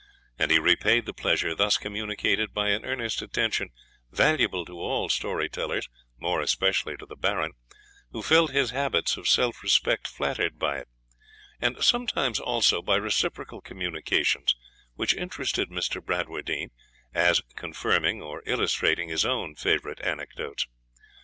And he repaid the pleasure thus communicated by an earnest attention, valuable to all story tellers, more especially to the Baron, who felt his habits of self respect flattered by it; and sometimes also by reciprocal communications, which interested Mr. Bradwardine, as confirming or illustrating his own favourite anecdotes.